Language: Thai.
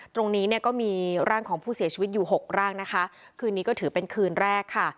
ตรงนี้เนี่ยก็มีร่างของผู้เสียชีวิตอยู่หกร่างนะคะคืนนี้ก็ถือเป็นคืนแรกค่ะ